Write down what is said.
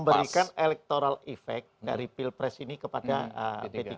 memberikan electoral effect dari pilpres ini kepada p tiga